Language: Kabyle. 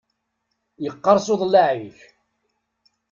Yeqqereṣ uḍellaɛ-ik!